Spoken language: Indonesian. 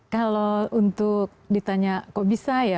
kalau untuk ditanya kok bisa ya